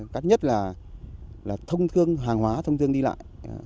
cách nhất là thông thương hàng hóa thông thương đi lại